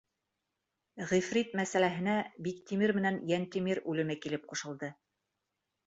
Ғифрит мәсьәләһенә Биктимер менән Йәнтимер үлеме килеп ҡушылды.